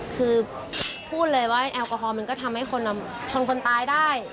คือพูดเลยว่าแอลกอฮอลมันก็ทำให้คนชนคนตายได้